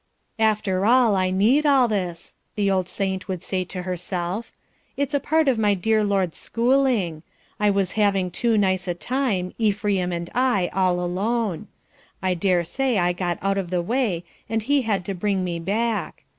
"After all I need all this," the old saint would say to herself. "It's a part of my dear Lord's schooling. I was having too nice a time, Ephraim and I all alone. I dare say I got out of the way and he had to bring me back.